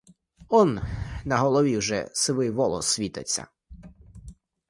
Он на голові вже сивий волос світиться!